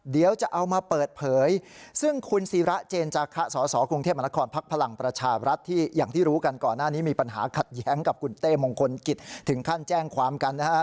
เดี๋ยวจะเอามาเปิดเผยซึ่งคุณศิระเจนจาคะสสกรุงเทพมนครพักพลังประชารัฐที่อย่างที่รู้กันก่อนหน้านี้มีปัญหาขัดแย้งกับคุณเต้มงคลกิจถึงขั้นแจ้งความกันนะฮะ